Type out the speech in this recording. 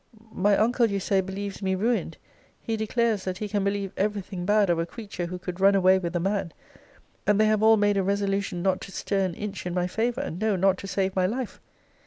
'My uncle, you say, believes me ruined: he declares that he can believe every thing bad of a creature who could run away with a man: and they have all made a resolution not to stir an inch in my favour; no, not to save my life!'